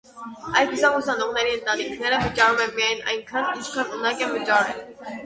Այսպիսով՝ ուսանողների ընտանիքները վճարում են միայն այնքան, ինչքան ունակ են վճարել։